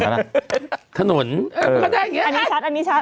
อันนี้ชัดอันนี้ชัด